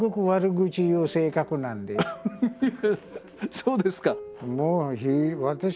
そうですか。